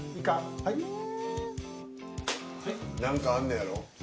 何かあんねやろ？